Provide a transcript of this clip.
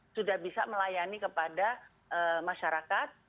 sudah bisa melayani kepada masyarakat